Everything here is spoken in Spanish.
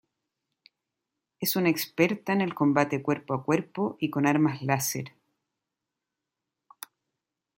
Es una experta en el combate cuerpo a cuerpo y con armas láser.